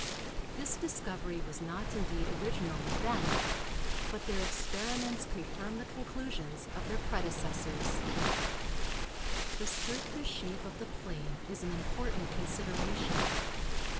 This discovery was not indeed original with them, but their experiments confirmed the conclusions of their predecessors. The surface shape of the plane is an important consideration.